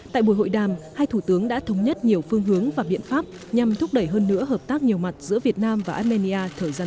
tại buổi hội đàm hai thủ tướng đã thống nhất nhiều phương hướng và biện pháp nhằm thúc đẩy hơn nữa hợp tác nhiều mặt giữa việt nam và armenia thời gian qua